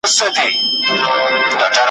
په لیدلو چي یې وو په زړه نتلی `